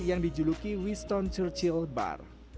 bar yang dijuluki winston churchill bar